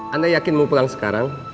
anda yakin mau pulang sekarang